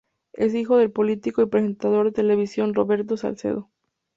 Es hijo del político y presentador de televisión Roberto Salcedo.